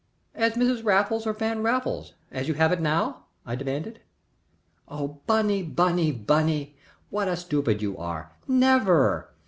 "As Mrs. Raffles or Van Raffles, as you have it now?" I demanded. "Oh, Bunny, Bunny, Bunny! What a stupid you are! Never!